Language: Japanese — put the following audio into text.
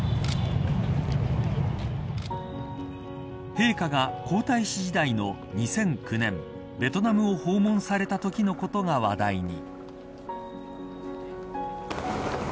陛下が皇太子時代の２００９年ベトナムを訪問されたときのことが話題に。